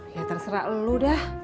ya terserah elu dah